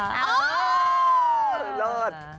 โอ้โหเลิศ